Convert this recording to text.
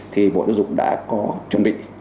thì bộ giáo dục đã có chuẩn bị